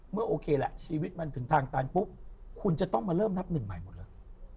โอเคแหละชีวิตมันถึงทางตันปุ๊บคุณจะต้องมาเริ่มนับหนึ่งใหม่หมดเลย